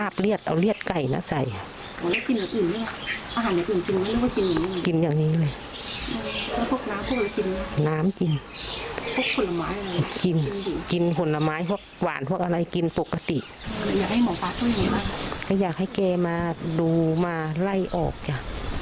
ป้าอยากให้เกมาดูมาไล่ออกจ้ะ